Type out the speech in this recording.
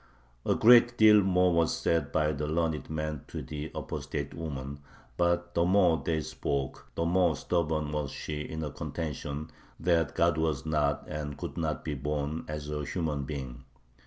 A great deal more was said by the learned men to the apostate woman, but the more they spoke, the more stubborn was she in her contention that God was not and could not be born as a human being.